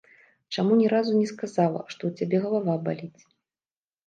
Чаму ні разу не сказала, што ў цябе галава баліць.